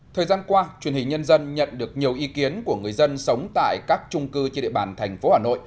thời gian qua truyền hình nhân dân nhận được nhiều ý kiến của người dân sống tại các trung cư trên địa bàn thành phố hà nội